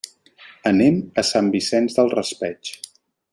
Anem a Sant Vicent del Raspeig.